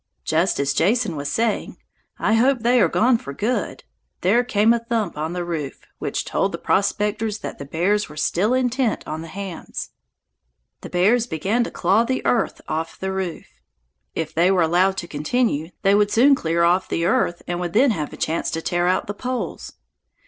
Just as Jason was saying, "I hope they are gone for good," there came a thump on the roof which told the prospectors that the bears were still intent on the hams. The bears began to claw the earth off the roof. If they were allowed to continue, they would soon clear off the earth and would then have a chance to tear out the poles.